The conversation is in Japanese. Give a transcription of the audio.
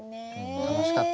楽しかった。